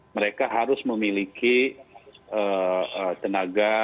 mereka harus memiliki tenaga kebencanaan yang siap siaga